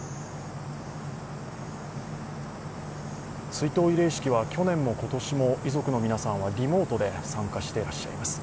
追悼慰霊式は去年も今年も遺族の皆さんはリモートで参加してらっしゃいます。